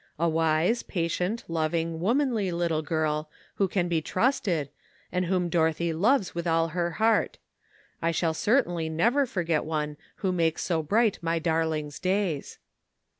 A wise, patient, loving, womanly little girl, who can be trusted, and whom Dorothy loves with all her heart. I shall certainly never forget one who makes so bright my darling's days."